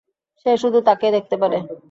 সে শুধু তাকেই দেখতে পারে।